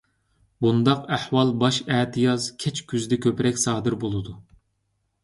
بۇنداق ئەھۋال باش ئەتىياز، كەچ كۈزدە كۆپرەك سادىر بولىدۇ.